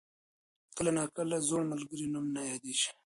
کله ناکله زوړ ملګری نوم نه یادېږي.